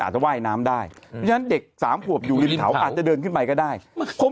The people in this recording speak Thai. อาจจะว่ายน้ำได้เพราะฉะนั้นเด็กสามขวบอยู่ริมเขาอาจจะเดินขึ้นไปก็ได้